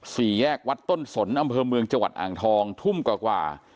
สี่แยกวัดต้นสนอำเภอเมืองจังหวัดอ่างทองทุ่มกว่ากว่า